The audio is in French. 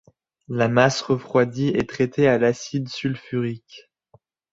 La masse refroidie est traitée à l'acide sulfurique.